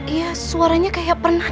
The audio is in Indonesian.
iya suaranya kayak pernah dengar nih